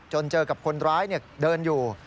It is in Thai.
เจอกับคนร้ายเดินอยู่